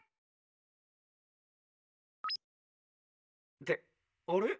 「ってあれ？